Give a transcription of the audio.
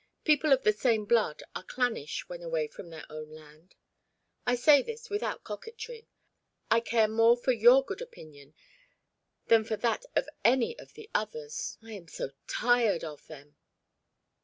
People of the same blood are clannish when away from their own land. I say this without coquetry: I care more for your good opinion than for that of any of the others I am so tired of them!"